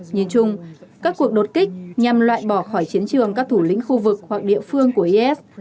nhìn chung các cuộc đột kích nhằm loại bỏ khỏi chiến trường các thủ lĩnh khu vực hoặc địa phương của is